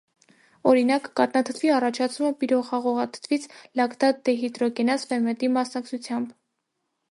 Օրինակ, կաթնաթթվի առաջացումը պիրոխաղողաթթվից լակտատդեհիդրոգենազ ֆերմենտի մասնակցությամբ։